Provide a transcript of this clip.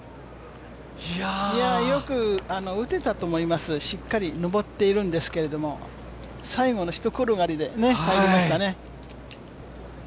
よく打てたと思います、しっかり上っているんですけれども最後のひと転がりで入りましたね。